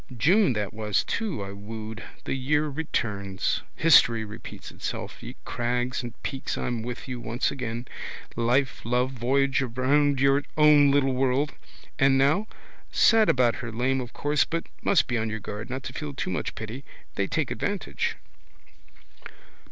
June that was too I wooed. The year returns. History repeats itself. Ye crags and peaks I'm with you once again. Life, love, voyage round your own little world. And now? Sad about her lame of course but must be on your guard not to feel too much pity. They take advantage.